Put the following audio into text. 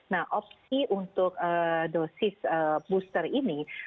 nah opsi untuk dosis booster ini